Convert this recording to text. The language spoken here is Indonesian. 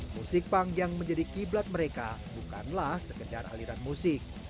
musik punk yang menjadi kiblat mereka bukanlah sekedar aliran musik